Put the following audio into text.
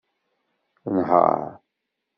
Nheṛ!